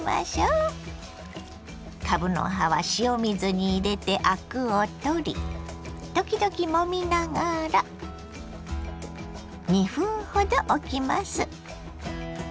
かぶの葉は塩水に入れてアクを取り時々もみながら２分ほどおきます。